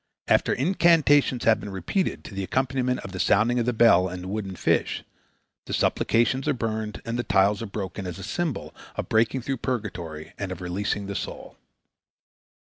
After incantations have been repeated to the accompaniment of the sounding of the bell and the wooden fish, the supplications are burned and the tiles are broken as a symbol of breaking through purgatory and of releasing the soul.